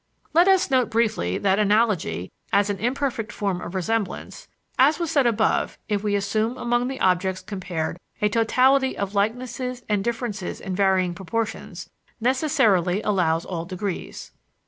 Let us note, briefly, that analogy, as an imperfect form of resemblance as was said above, if we assume among the objects compared a totality of likenesses and differences in varying proportions necessarily allows all degrees.